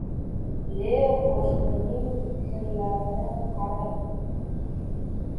– Ie, qoʻshnining kirlarini qarang!